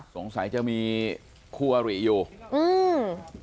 สงสัยจะมีคั่วหรี่อยู่อืม